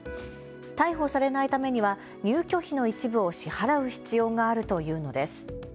逮捕されないためには入居費の一部を支払う必要があると言うのです。